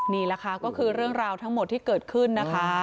นี่แหละค่ะก็คือเรื่องราวทั้งหมดที่เกิดขึ้นนะคะ